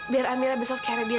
biar amira besok cari dia